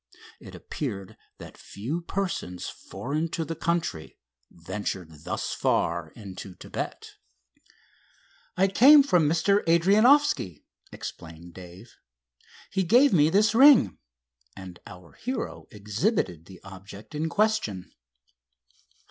It appeared that few persons foreign to the country ventured thus far into Thibet. "I came from Mr. Adrianoffski," explained Dave. "He gave me this ring," and our hero exhibited the object in question.